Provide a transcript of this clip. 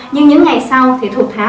nhưng những ngày sau thì thuốc tháo